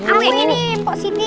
aku yang ini